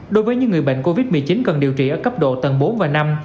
đối với những người bệnh covid một mươi chín cần điều trị ở cấp độ tầng bốn và năm